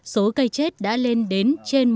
số cây chết đã lên đến trên